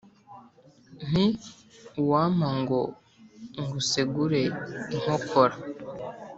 Nti uwampa ngo ngusegure inkokora